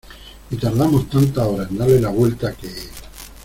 y tardamos tantas horas en darle la vuelta que...